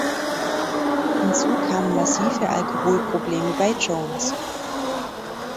Hinzu kamen massive Alkoholprobleme bei Jones.